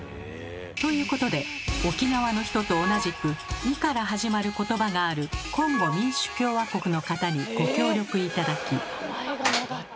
ということで沖縄の人と同じく「ん」から始まることばがあるコンゴ民主共和国の方にご協力頂き。